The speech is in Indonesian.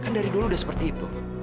kan dari dulu udah seperti itu